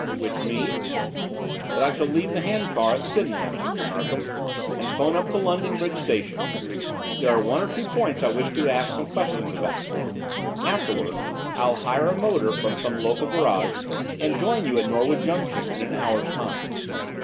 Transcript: "Which means?" "That I shall leave the hand car at Sydenham, Mr. Narkom, and 'phone up to London Bridge station; there are one or two points I wish to ask some questions about. Afterward I'll hire a motor from some local garage and join you at Norwood Junction in an hour's time.